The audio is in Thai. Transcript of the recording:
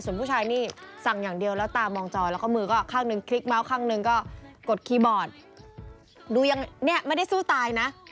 ส่วนผู้ชายนี่สั่งอย่างเดียวแล้วตามองจอแล้วก็มือก็ข้างหนึ่งคลิกเมาส์ข้างหนึ่งก็กดคีย์บอร์ดดูยังเนี่ยไม่ได้สู้ตายนะ